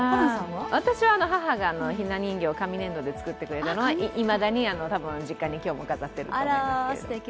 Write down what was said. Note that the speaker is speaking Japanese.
私は母がひな人形を紙粘土で作ってくれたものがいまだに実家に今日も飾ってあると思いますけど。